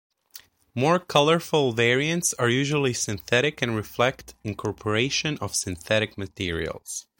More colorful variants are usually synthetic and reflect incorporation of synthetic materials.